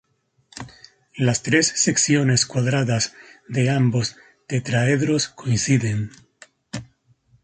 Las tres secciones cuadradas de ambos tetraedros coinciden.